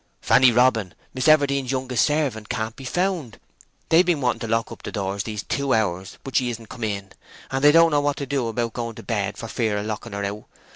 "Fanny Robin—Miss Everdene's youngest servant—can't be found. They've been wanting to lock up the door these two hours, but she isn't come in. And they don't know what to do about going to bed for fear of locking her out.